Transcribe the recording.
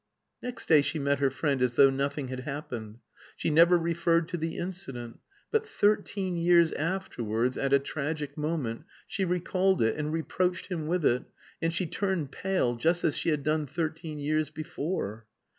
Next day she met her friend as though nothing had happened, she never referred to the incident, but thirteen years afterwards, at a tragic moment, she recalled it and reproached him with it, and she turned pale, just as she had done thirteen years before.